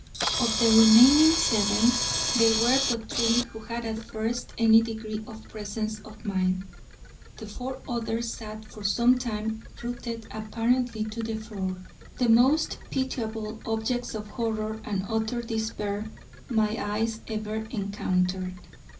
Of the remaining seven, there were but three who had at first any degree of presence of mind. The four others sat for some time rooted apparently to the floor, the most pitiable objects of horror and utter despair my eyes ever encountered.